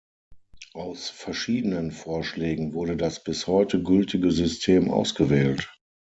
Aus verschiedenen Vorschlägen wurde das bis heute gültige System ausgewählt.